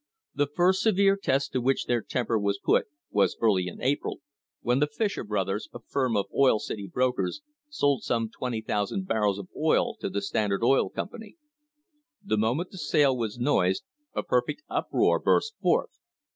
The first severe test to which their temper was put was early in April, when the Fisher Brothers, a firm of Oil City brokers, sold some 20,000 barrels of oil to the Standard Oil Company. The moment the sale was noised a perfect uproar burst forth.